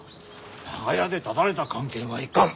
長屋でただれた関係はいかん！